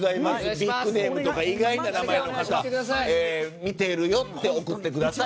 ビッグネーム以外の方も見ているよって送ってください。